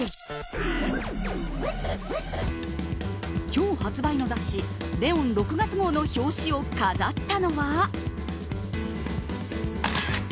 今日発売の雑誌「ＬＥＯＮ」６月号の表紙を飾ったのは。